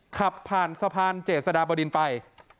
ขับผ่านสะพานเจษฎาบดินไป